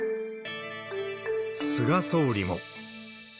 菅総理も。